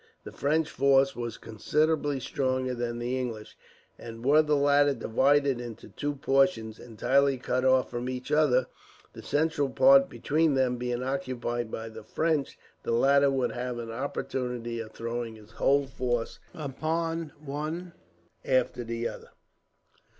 The French force was considerably stronger than the English, and were the latter divided into two portions, entirely cut off from each other, the central point between them being occupied by the French, the latter would have an opportunity of throwing his whole force upon one after the other.